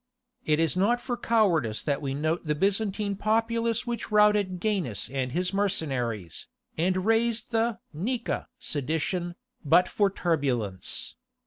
It is not for cowardice that we note the Byzantine populace which routed Gainas and his mercenaries, and raised the Nika sedition, but for turbulence.